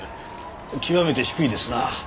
極めて低いですな。